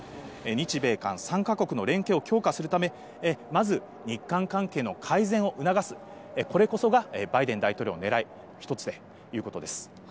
日米韓３か国の連携を強化するため、まず、日韓関係の改善を促す、これこそがバイデン大統領のねらい、一つでということです。